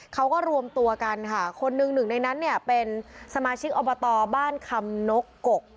เขาก็รวมตัวกันค่ะคนหนึ่งหนึ่งในนั้นเนี่ยเป็นสมาชิกอบตบ้านคำนกก